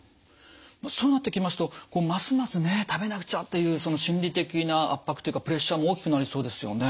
そうなってきますとますますね食べなくちゃっていうその心理的な圧迫というかプレッシャーも大きくなりそうですよね。